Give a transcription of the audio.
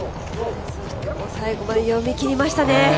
最後まで読み切りましたね。